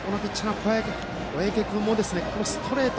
小宅君もこのストレート